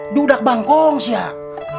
dudak bangkong siak